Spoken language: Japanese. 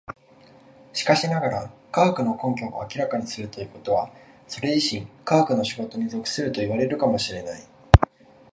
しかしながら、科学の根拠を明らかにすることはそれ自身科学の仕事に属するといわれるかも知れない。